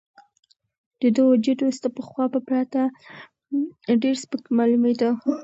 د ده وجود اوس د پخوا په پرتله ډېر سپک معلومېده.